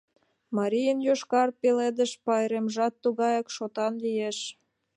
Марийын Йошкар пеледыш пайремжат тугаяк шотан лиеш.